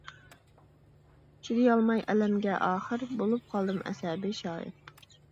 چىدىيالماي ئەلەمگە ئاخىر، بولۇپ قالدىم ئەسەبىي شائىر.